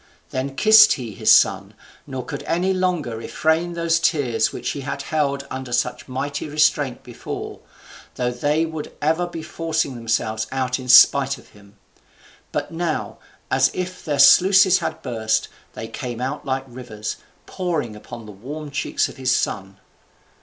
Then kissed he his son, nor could any longer refrain those tears which he had held under such mighty restraint before, though they would ever be forcing themselves out in spite of him; but now, as if their sluices had burst, they came out like rivers, pouring upon the warm cheeks of his son.